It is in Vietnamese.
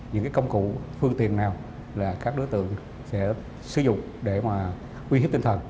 những công cụ phương tiện nào là các đối tượng sẽ sử dụng để mà uy hiếp tinh thần